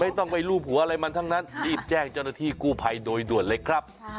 ต้องไปรูปหัวอะไรมันทั้งนั้นรีบแจ้งเจ้าหน้าที่กู้ภัยโดยด่วนเลยครับ